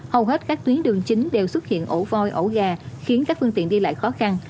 hầu hết các tuyến đường chính đều xuất hiện ổ voi ổ gà khiến các phương tiện đi lại khó khăn